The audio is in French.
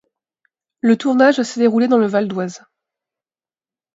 Le tournage s'est déroulé dans le Val-d'Oise.